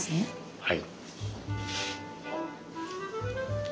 はい。